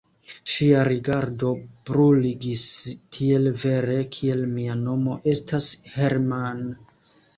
Ŝia rigardo bruligis, tiel vere, kiel mia nomo estas Hermann.